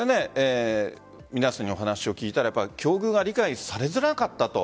皆さんにお話を聞いたら境遇が理解されづらかったと。